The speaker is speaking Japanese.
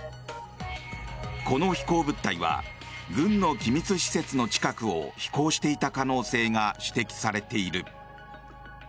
この飛行物体は軍の機密施設の近くを飛行していた可能性が指摘されている。